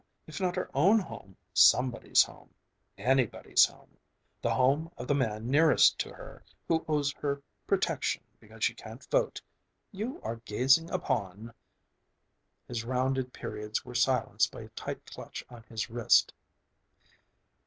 if not her own Home, somebody's Home, anybody's Home... the Home of the man nearest to her, who owes her protection because she can't vote. You are gazing upon..." His rounded periods were silenced by a tight clutch on his wrist.